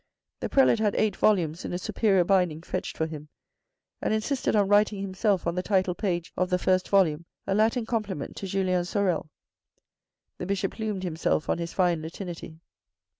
The prelate had eight volumes in a superior binding fetched for him, and insisted on writing himself on the title page of the first volume a Latin compliment to Julien Sorel. The Bishop plumed himself on his fine Latinity.